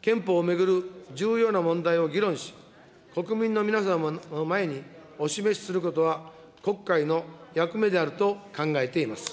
憲法を巡る重要な問題を議論し、国民の皆様の前にお示しすることは国会の役目であると考えています。